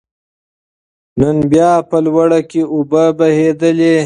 نن بيا په لوړه کې اوبه بهېدلې